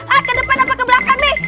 ah ke depan apa ke belakang nih